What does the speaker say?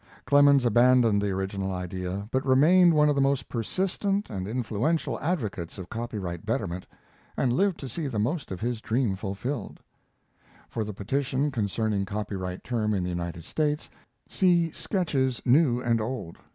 Clemens abandoned the original idea, but remained one of the most persistent and influential advocates of copyright betterment, and lived to see most of his dream fulfilled. [For the petition concerning copyright term in the United States, see Sketches New and Old.